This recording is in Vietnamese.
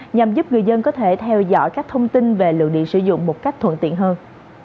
nhằm giúp người dân có thể theo dõi các thông tin về lượng điện sử dụng một cách thuận tiện hơn